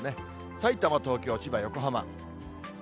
さいたま、東京、千葉、横浜。